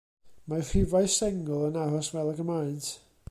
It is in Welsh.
Mae rhifau sengl yn aros fel ag y maent.